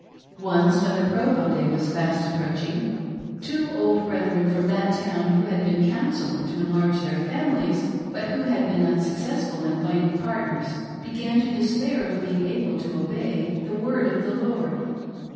Once, when the " Prove day " was fast approach ing, two old brethren from that town who had been counselled to enlarge their families, but who had been unsuccessful in finding partners, began to despair of being able to obey " the word of the Lord